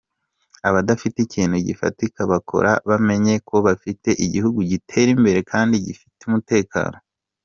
"Abadafite ikintu gifatika bakora bamenye ko bafite igihugu gitera imbere kandi gifite umutekano.